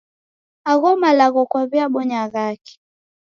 Agha malagho kwaw'iabonya ghaki?